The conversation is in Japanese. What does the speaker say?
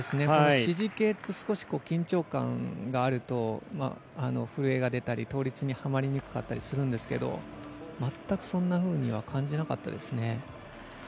支持系って緊張感があると震えが出たり倒立にはまりにくくしたりするんですが全くそんなふうには感じなかったですね。